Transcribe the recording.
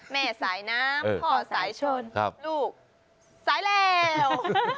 แม่สายน้ำพ่อสายชนลูกสายแล้ว